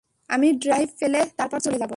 আমি ড্রাইভ পেলে তারপর চলে যাব!